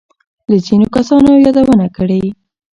له ځینو کسانو يادونه کړې.